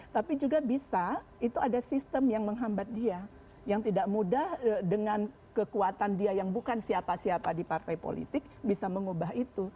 tapi juga bisa itu ada sistem yang menghambat dia yang tidak mudah dengan kekuatan dia yang bukan siapa siapa di partai politik bisa mengubah itu